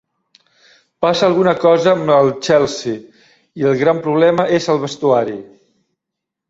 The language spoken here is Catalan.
Passa alguna cosa amb el Chelsea i el gran problema és al vestuari.